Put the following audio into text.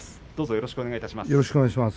よろしくお願いします。